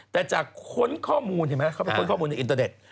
แต่จากค้นข้อมูลเห็นไหมเขาไปค้นข้อมูลในอินเตอร์เน็ต